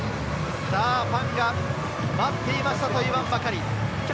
ファンが待っていましたと言わんばかり。